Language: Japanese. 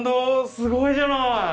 すごいじゃない！